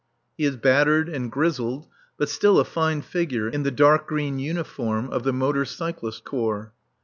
He is battered and grizzled, but still a fine figure in the dark green uniform of the Motor Cyclist Corps.